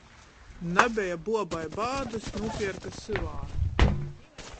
Nabeja buobai bādys, nūpierka syvānu.